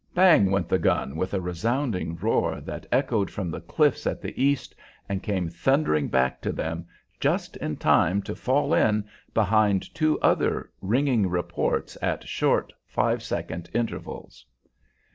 Bang! went the gun with a resounding roar that echoed from the cliffs at the east and came thundering back to them just in time to "fall in" behind two other ringing reports at short, five second intervals.